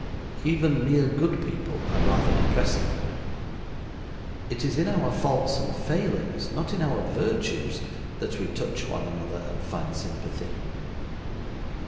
Even mere good people are rather depressing. It is in our faults and failings, not in our virtues, that we touch one another and find sympathy.